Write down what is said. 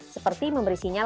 seperti memberikan kemampuan